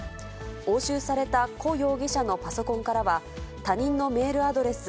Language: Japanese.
押収された胡容疑者のパソコンからは、他人のメールアドレス